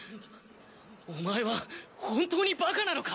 お前は本当にバカなのか？